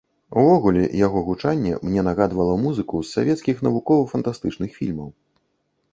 Увогуле, яго гучанне мне нагадвала музыку з савецкіх навукова-фантастычных фільмаў.